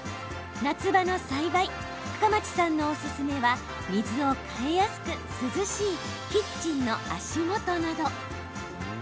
夏場の栽培深町さんのおすすめは水を替えやすく涼しいキッチンの足元など。